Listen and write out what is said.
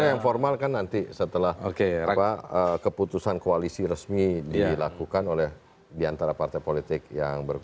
karena yang formal kan nanti setelah keputusan koalisi resmi dilakukan oleh diantara partai politik yang berbeda